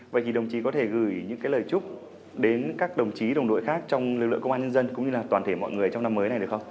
vậy thì đồng chí có thể gửi những lời chúc đến các đồng chí đồng đội khác trong lực lượng công an nhân dân cũng như là toàn thể mọi người trong năm mới này được không